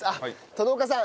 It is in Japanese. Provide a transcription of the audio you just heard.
殿岡さん